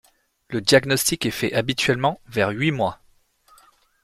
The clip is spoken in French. Le diagnostic est fait habituellement vers huit mois.